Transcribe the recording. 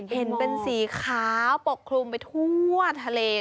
เห็นเป็นสีขาวปกคลุมไปทั่วทะเล